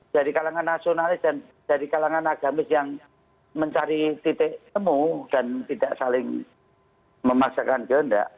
dari kalangan nasionalis dan dari kalangan agamis yang mencari titik temu dan tidak saling memaksakan kehendak